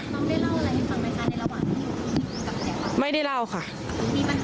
ลูกสาวหลายครั้งแล้วว่าไม่ได้คุยกับแจ๊บเลยลองฟังนะคะ